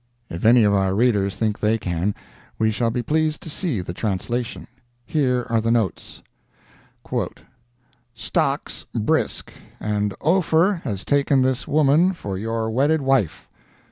If any of our readers think they can, we shall be pleased to see the translation. Here are the notes: "Stocks brisk, and Ophir has taken this woman for your wedded wife.